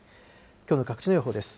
きょうの各地の予報です。